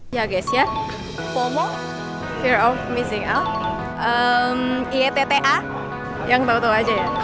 ya guys ya fomo fear of missing out ytta yang tau tau aja ya